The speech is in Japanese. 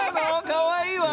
かわいいわ。